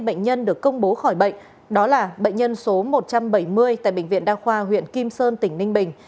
bệnh nhân được công bố khỏi bệnh đó là bệnh nhân số một trăm bảy mươi tại bệnh viện đa khoa huyện kim sơn tỉnh ninh bình